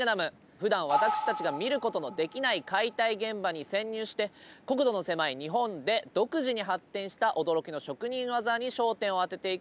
ふだん私たちが見ることのできない解体現場に潜入して国土の狭い日本で独自に発展した驚きの職人技に焦点をあてていく番組です。